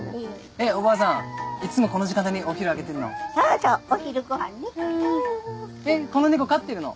えっこの猫飼ってるの？